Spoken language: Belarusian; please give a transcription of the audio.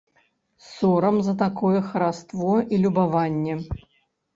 Сорам за такое хараство і любаванне.